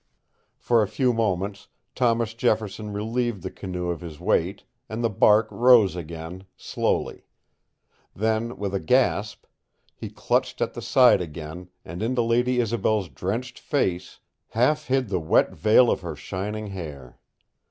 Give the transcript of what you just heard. For a few moments Thomas Jefferson relieved the canoe of his weight, and the bark rose again, slowly. Then, with a gasp, he clutched at the side again, and into Lady Isobel's drenched face, half hid the wet veil of her shining hair.